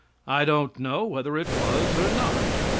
I don't know whether it was or not.